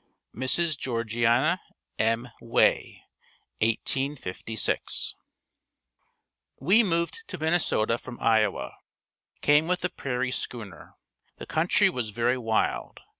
Mrs. Georgiana M. Way 1856. We moved to Minnesota from Iowa. Came with a prairie schooner. The country was very wild.